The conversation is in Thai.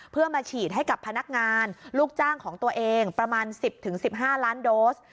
เพื่อมาฉีดให้กับพนักงานลูกจ้างของตัวเองประมาณ๑๐๑๕ล้านโดส